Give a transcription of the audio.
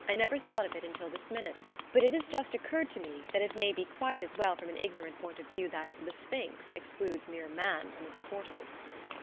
I never thought of it until this minute, but it has just occurred to me that it may be quite as well from an ignorant point of view that "The Sphinx" excludes mere man from its portals.